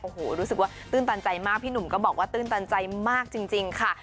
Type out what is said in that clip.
โอ้โหรู้สึกว่าตื้นตันใจมากพี่หนุ่มก็บอกว่าตื้นตันใจมากจริงค่ะ